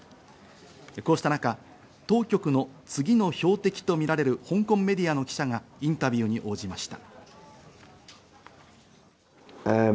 こうした中、当局の次の標的とみられる香港メディアの記者がインタビューに応じました。